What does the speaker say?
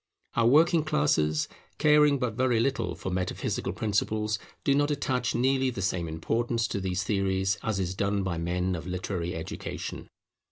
Our working classes, caring but very little for metaphysical principles, do not attach nearly the same importance to these theories as is done by men of literary education.